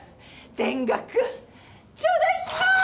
全額ちょうだいします！